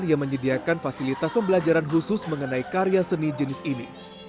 yang menyediakan fasilitas pembelajaran khusus mengenai karya seni jenis ini